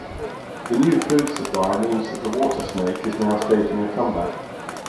The new food supply means that the water snake is now staging a comeback.